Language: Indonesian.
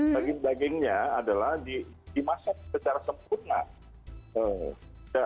daging dagingnya adalah dimasak secara sempurna